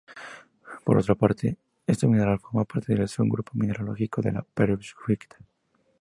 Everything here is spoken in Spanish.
Por otra parte, este mineral forma parte del subgrupo mineralógico de la perovskita.